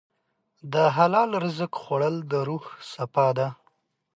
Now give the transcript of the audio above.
د حلال رزق خوړل د روح صفا ده.